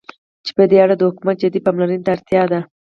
چې په دې اړه د حكومت جدي پاملرنې ته اړتيا ده.